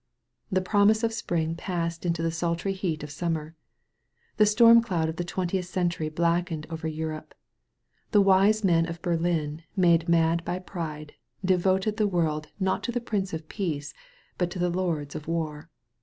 The promise of spring passed into the sultiy heat of summer. The storm cloud of the twentieth cen tury blackened over Europe. The wise men of Berlin made mad by pride, devoted the world not to the Prince of Peace but to the lords of war.